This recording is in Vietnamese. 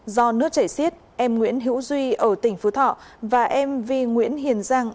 do nước chảy xiết em nguyễn hữu duy ở tỉnh phú thọ và em vi nguyễn hiền giang